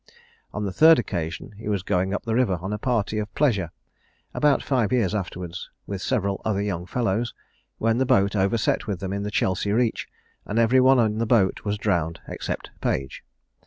On the third occasion he was going up the river on a party of pleasure, about five years afterwards, with several other young fellows, when the boat overset with them in Chelsea Reach, and every one in the boat was drowned except Page.